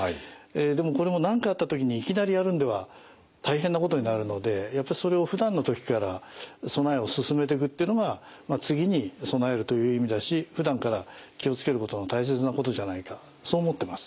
でもこれも何かあった時にいきなりやるんでは大変なことになるのでやっぱりそれをふだんの時から備えを進めていくっていうのが次に備えるという意味だしふだんから気を付けることの大切なことじゃないかそう思ってます。